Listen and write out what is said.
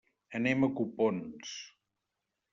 Anem a Copons.